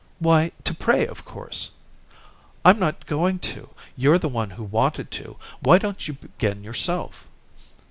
"Why, to pray, of course." "I'm not going to. You're the one who wanted to. Why don't you begin yourself?"